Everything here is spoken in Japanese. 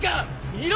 見ろ！